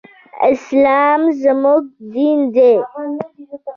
اسلام زمونږ دين دی.